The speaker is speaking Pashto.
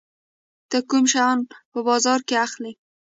ته کوم شیان په بازار کې اخلي؟